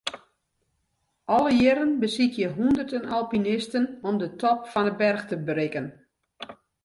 Alle jierren besykje hûnderten alpinisten om de top fan 'e berch te berikken.